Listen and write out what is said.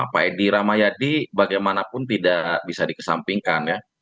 pak edi rahmayadi bagaimanapun tidak bisa dikesampingkan ya